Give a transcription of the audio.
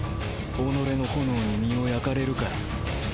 己の炎に身を焼かれるから。